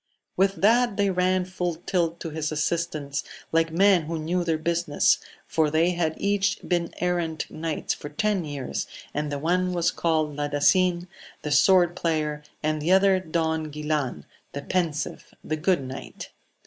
With that they ran full tilt to his assistance, like men who knew their business, for they had each been errant knights for ten years, and the one was called Ladasin, the sword player, and the other Don Guilan the pensive, the good knight.